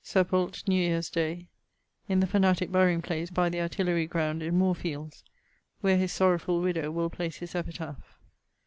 Sepult., Newyeares day, in the fanatique burying place by the Artillery ground in Moorfields, where his sorrowfull widdowe will place his epitaph.